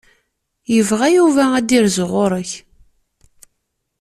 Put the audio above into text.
Yebɣa Yuba ad d-irzu ɣur-k.